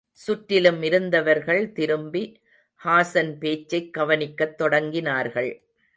சுற்றிலும் இருந்தவர்கள், திரும்பி ஹாசன் பேச்சைக் கவனிக்கத் தொடங்கினார்கள்.